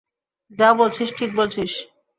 যা বলছিস ঠিক বলছিস।